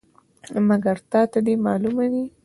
مګر تا ته دې معلومه وي.